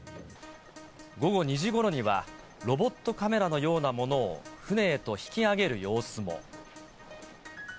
午後２時ごろには、ロボットカメラのようなものを船へと引き上げる様子も。